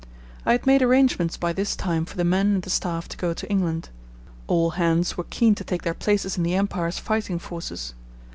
I had made arrangements by this time for the men and the staff to go to England. All hands were keen to take their places in the Empire's fighting forces.